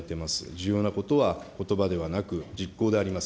重要なことはことばではなく、実行であります。